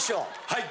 はい！